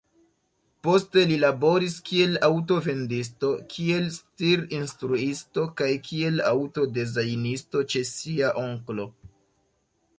Poste li laboris kiel aŭto-vendisto, kiel stir-instruisto kaj kiel aŭto-dezajnisto ĉe sia onklo.